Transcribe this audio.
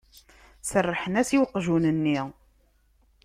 Serrḥen-as i weqjun-nni.